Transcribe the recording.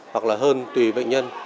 hoặc là hơn tùy bệnh nhân